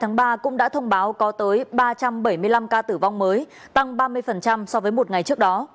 trong ngày hai mươi hai tháng ba cũng đã thông báo có tới ba trăm bảy mươi năm ca tử vong mới tăng ba mươi so với một ngày trước đó